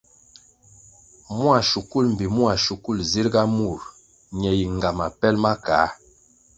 Mua shukul mbpi mua shukul zirʼga mur ñe yi ngama pel ma kā.